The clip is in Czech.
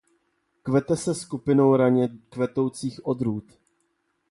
Kvete se skupinou raně kvetoucích odrůd.